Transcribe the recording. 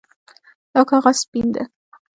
دا کاغذ سپین ده